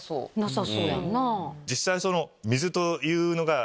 実際。